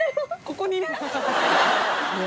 ここにね